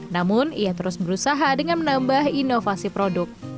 namun ia terus berusaha dengan menambah inovasi produk